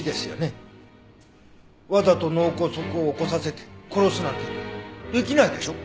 わざと脳梗塞を起こさせて殺すなんてできないでしょ。